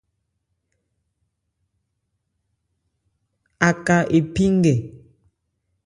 Aka epí nkɛ.